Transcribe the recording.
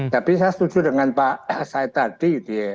tapi saya setuju dengan pak said tadi